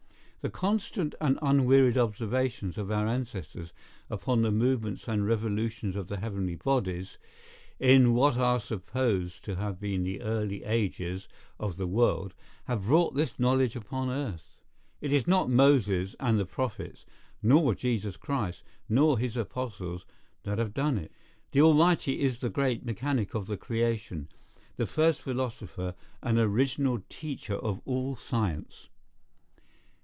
The constant and unwearied observations of our ancestors upon the movements and revolutions of the heavenly bodies, in what are supposed to have been the early ages of the world, have brought this knowledge upon earth. It is not Moses and the prophets, nor Jesus Christ, nor his apostles, that have done it. The Almighty is the great mechanic of the creation, the first philosopher, and original teacher of all science.